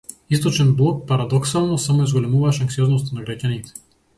Источен блок, парадоксално, само ја зголемуваше анксиозноста на граѓаните.